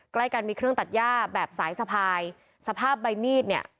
ใกล้กันมีเครื่องตัดย่าแบบสายสะพายสภาพใบมีดเนี่ย